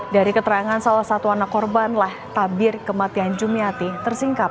dari keterangan salah satu anak korbanlah tabir kematian jumiatih tersingkap